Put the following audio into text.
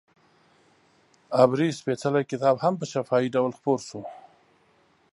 عبري سپېڅلی کتاب هم په شفاهي ډول خپور شو.